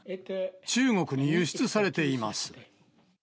中国に輸出されています。